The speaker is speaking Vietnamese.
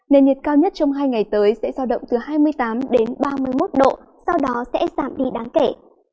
nền nhiệt cao nhất trong hai ngày tới sẽ giao động từ hai mươi tám đến ba mươi một độ sau đó sẽ giảm đi đáng kể